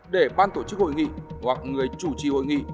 để ban tổ chức hội nghị hoặc người chủ trì hội nghị